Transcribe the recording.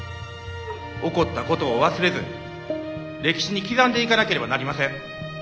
起こったことを忘れず歴史に刻んでいかなければなりません。